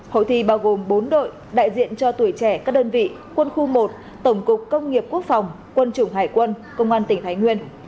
hội thi bao gồm bốn đội đại diện cho tuổi trẻ các đơn vị quân khu một tổng cục công nghiệp quốc phòng quân chủng hải quân công an tỉnh thái nguyên